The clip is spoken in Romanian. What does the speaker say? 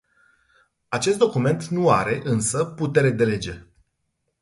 Acest document nu are, însă, putere de lege.